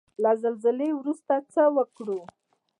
له زلزلې وروسته څه وکړو؟